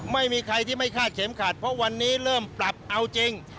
ไม่มีใครที่ไม่คาดเข็มขัดเพราะวันนี้เริ่มปรับเอาจริง